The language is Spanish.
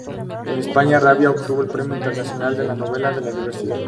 En España, "Rabia" obtuvo el Premio Internacional de la Novela de la Diversidad.